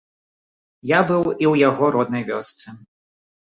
Я быў і ў яго роднай вёсцы.